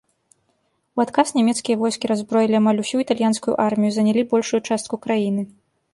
У адказ нямецкія войскі раззброілі амаль усю італьянскую армію і занялі большую частку краіны.